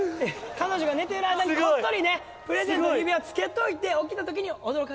彼女が寝ている間にこっそりねプレゼントの指輪つけといて起きた時に驚かせたい。